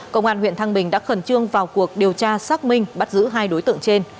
công an huyện thăng bình đã khẩn trương vào cuộc điều tra xác minh bắt giữ hai đối tượng trên